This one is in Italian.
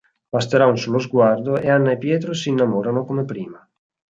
Basterà un solo sguardo e Anna e Pietro si innamorano come prima.